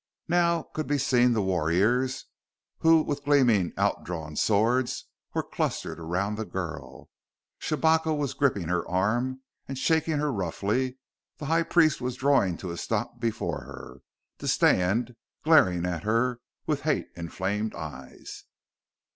Now could be seen the warriors who, with gleaming outdrawn swords, were clustered around the girl. Shabako was gripping her arm and shaking her roughly: the High Priest was drawing to a stop before her, to stand glaring at her with hate inflamed eyes.